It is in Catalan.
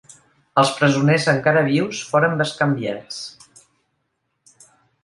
Els presoners encara vius foren bescanviats.